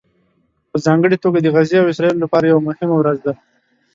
په ځانګړې توګه د غزې او اسرائیلو لپاره یوه مهمه ورځ ده